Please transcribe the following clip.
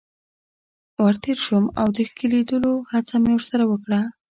ور تیر شوم او د ښکلېدلو هڅه مې ورسره وکړه.